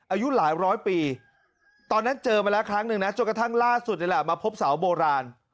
อายุหลายร้อยปีตอนนั้นเจอมาแล้วครั้งหนึ่งนะจนกระทั่งล่าสุดนี่แหละมาพบเสาโบราณ